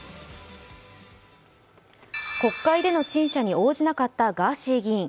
国会での陳謝に応じなかったガーシー議員。